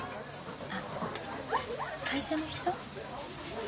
あ会社の人？